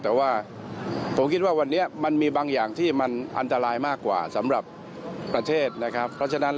แต่ว่าผมคิดว่าวันนี้มันมีบางอย่างที่มันอันตรายมากกว่าสำหรับประเทศนะครับเพราะฉะนั้น